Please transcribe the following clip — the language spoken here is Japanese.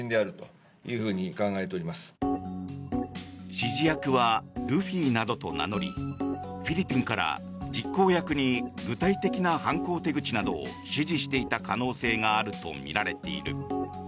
指示役はルフィなどと名乗りフィリピンから実行役に具体的な犯行手口などを指示していた可能性があるとみられている。